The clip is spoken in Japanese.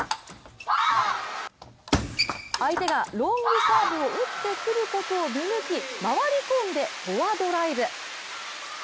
相手がロングサーブを打ってくることを見抜き回り込んでフォアドライブ。